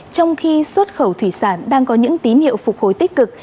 trong khi xuất khẩu thủy sản đang có những tín hiệu phục hồi tích cực